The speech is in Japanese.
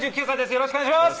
よろしくお願いします